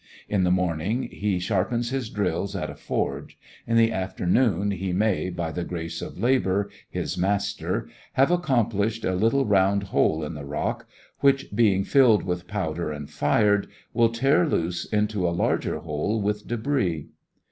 In the morning he sharpens his drills at a forge. In the afternoon he may, by the grace of labour, his Master, have accomplished a little round hole in the rock, which, being filled with powder and fired, will tear loose into a larger hole with débris.